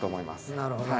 なるほどね。